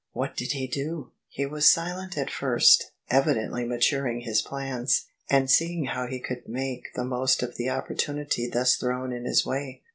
" "What did he do?" " He was silent at first, evidently maturing his plans, and seeing how he coidd make the most of the opportunity thus thrown in his way.